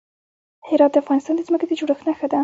هرات د افغانستان د ځمکې د جوړښت نښه ده.